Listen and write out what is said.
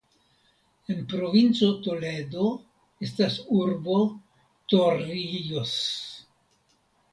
En provinco Toledo estas urbo Torrijos.